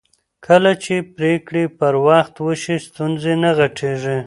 کله چې پرېکړې پر وخت وشي ستونزې نه غټېږي